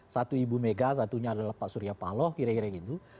satu ibu mega satunya adalah pak surya paloh kira kira gitu